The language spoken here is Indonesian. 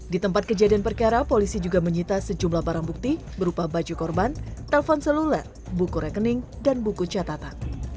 di tempat kejadian perkara polisi juga menyita sejumlah barang bukti berupa baju korban telpon seluler buku rekening dan buku catatan